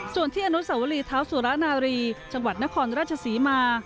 ส่วนที่อนุสวรีเท้าสุรนารีจังหวัดนครราชศรีมา